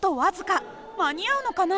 間に合うのかな？